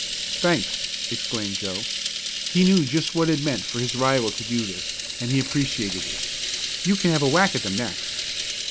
"Thanks!" exclaimed Joe. He knew just what it meant for his rival to do this, and he appreciated it. "You can have a whack at them next."